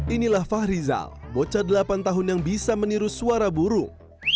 inilah fahrizal bocah delapan tahun yang bisa meniru suara burung